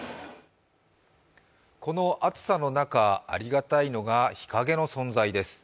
この暑さの中、ありがたいのが日陰の存在です。